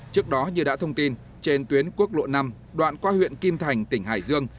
trước đó như đã thông tin trên tuyến quốc lộ năm đoạn qua huyện kim thành tỉnh hải dương